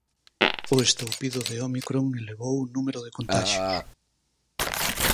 O estoupido de ómicron elevou o número de contaxios.